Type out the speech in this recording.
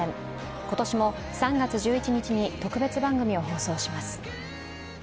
今年も３月１１日に特別番組を放送します。